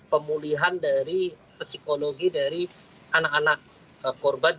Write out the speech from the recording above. pemulihan dari psikologi dari anak anak korban